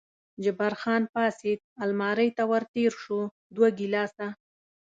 جبار خان پاڅېد، المارۍ ته ور تېر شو، دوه ګیلاسه.